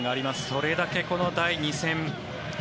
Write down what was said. それだけこの第２戦。